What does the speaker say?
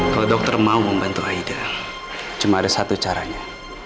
kalau dokter mau membantu aida cuma ada satu caranya